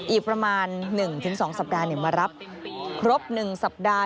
อีกประมาณ๑๒สัปดาห์มารับครบ๑สัปดาห์